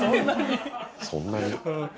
そんなに？